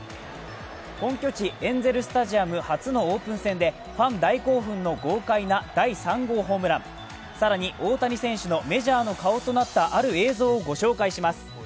本拠地エンゼルスタジアム初のオープン戦で、ファン大興奮の豪快な第３号ホームラン、更に大谷選手のメジャーの顔となった、ある映像を紹介します。